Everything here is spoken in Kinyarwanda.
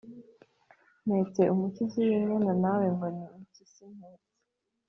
Mpetse umukizi w' inyana na we ngo ni impyisi mpetse?"